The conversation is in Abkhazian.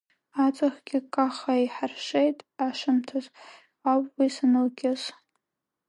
Аҵыхгьы каххаа иҳаршеит, ашамҭаз ауп уи санылкьыс!